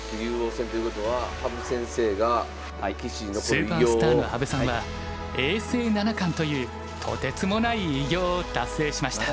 スーパースターの羽生さんは永世七冠というとてつもない偉業を達成しました。